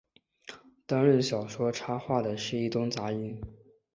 担任小说插画的是伊东杂音。